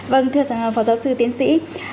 vâng thưa phó giáo sư tiến sĩ